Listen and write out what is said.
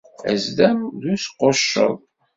Azdam d usqucceḍ.